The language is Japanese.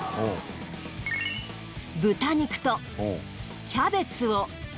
豚肉とキャベツを。